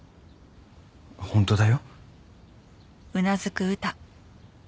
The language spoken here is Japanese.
本当だよ。